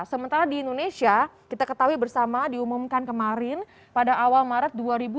sementara di indonesia kita ketahui bersama diumumkan kemarin pada awal maret dua ribu dua puluh